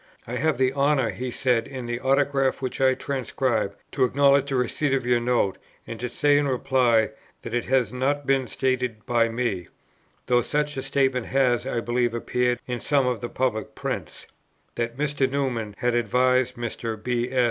"I have the honour," he says in the autograph which I transcribe, "to acknowledge the receipt of your note, and to say in reply that it has not been stated by me, (though such a statement has, I believe, appeared in some of the Public Prints,) that Mr. Newman had advised Mr. B. S.